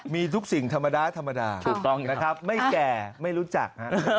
มีทุกสิ่งธรรมดาไม่แก่ไม่รู้จัก